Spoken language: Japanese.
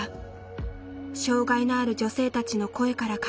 障害のある女性たちの声から考える特集。